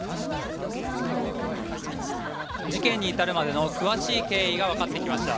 事件に至るまでの詳しい経緯が分かってきました。